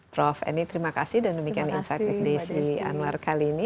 prof eni terima kasih dan demikian insight with desi anwar kali ini